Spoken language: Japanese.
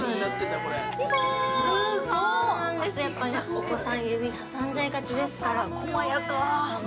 お子さん指、挟んじゃいがちですから。